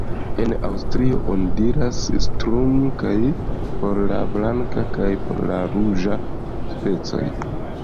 En Aŭstrio oni diras Sturm kaj por la blanka kaj por la ruĝa specoj.